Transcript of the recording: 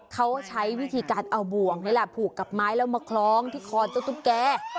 เขาใช้วิธีการเอาบ่วงนี่แหละผูกกับไม้แล้วมาคล้องที่คอเจ้าตุ๊กแก